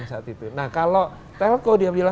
saat itu nah kalau telco